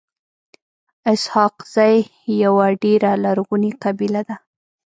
اسحق زی يوه ډيره لرغوني قبیله ده.